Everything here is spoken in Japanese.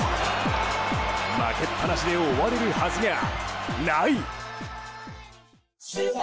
負けっぱなしで終われるはずがない！